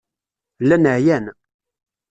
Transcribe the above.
Llan ɛyan.